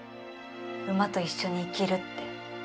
馬と一緒に生きるって。